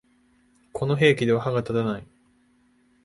この兵器では歯が立たない